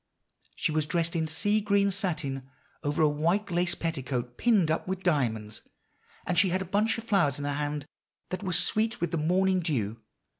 She was dressed in sea green satin, over a white lace petticoat pinned up with diamonds, and she had a bunch of flowers in her hand that were sweet with the morning dew.